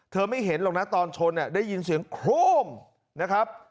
ไม่เห็นหรอกนะตอนชนได้ยินเสียงโครมนะครับ